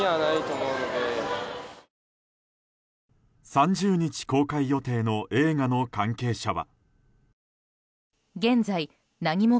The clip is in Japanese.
３０日公開予定の映画の関係者は。